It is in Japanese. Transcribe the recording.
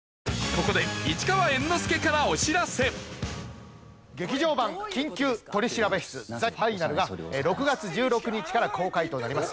ここで劇場版『緊急取調室ＴＨＥＦＩＮＡＬ』が６月１６日から公開となります。